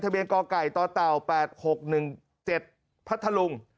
เบียนกไก่ต่อเต่า๘๖๑๗พัทธลุง